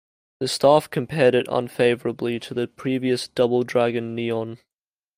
The staff compared it unfavorably to the previous Double Dragon Neon.